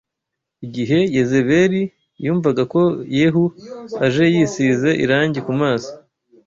Igihe Yezebeli yumvaga ko Yehu aje yisize irangi ku maso